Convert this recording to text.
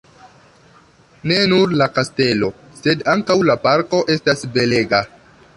Ne nur la kastelo, sed ankaŭ la parko estas belega.